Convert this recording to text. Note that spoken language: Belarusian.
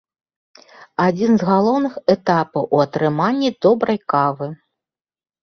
Адзін з галоўных этапаў у атрыманні добрай кавы.